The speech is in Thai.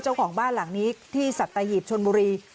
เจ้าของบ้านหลังนี้ที่คือระหว่าน